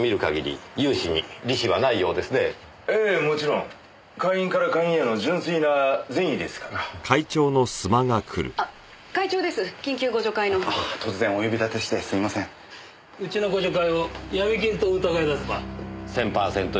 うちの互助会をヤミ金とお疑いだとか。